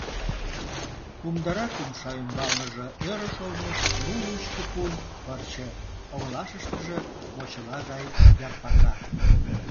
Кумдарак умша ӱмбалныже ӧрыш олмеш лу-лучко пун пырче, оҥылашыштыже — мочыла гай ярпака.